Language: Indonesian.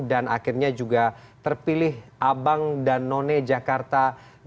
dan akhirnya juga terpilih abang dan none jakarta dua ribu dua puluh dua